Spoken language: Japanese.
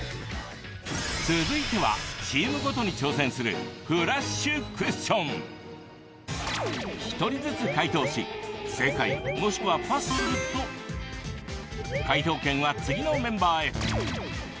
続いてはチームごとに挑戦する１人ずつ解答し正解もしくはパスすると解答権は次のメンバーへ。